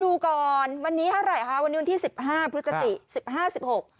ดูก่อนวันนี้เท่าไหร่คะวันนี้วันที่สิบห้าพฤศจิสิบห้าสิบหก